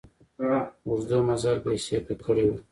اوږده مزل بېسېکه کړی و.